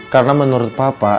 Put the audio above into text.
karena menurut papa